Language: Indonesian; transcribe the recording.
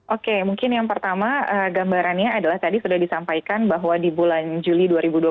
oke mungkin yang pertama gambarannya adalah tadi sudah disampaikan bahwa di bulan juli dua ribu dua puluh